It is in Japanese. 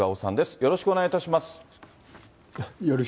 よろしくお願いします。